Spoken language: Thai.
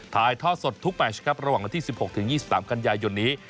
ถ่ายทอดสดทุกแมชครับระหว่างวันที่๑๖๒๓กันยายนนี้